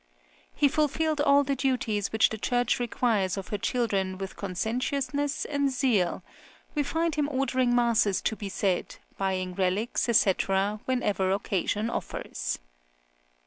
He fulfilled all the duties which the Church requires of her children with conscientiousness and zeal; we find him ordering masses to be said, buying relics, &c., whenever occasion offers.